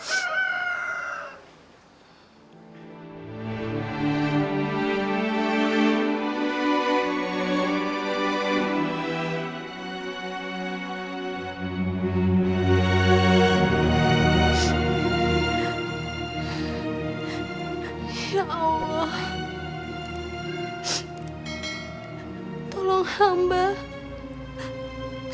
suami hamba dan anak hamba ya allah